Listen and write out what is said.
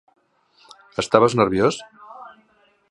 Estaves nerviós?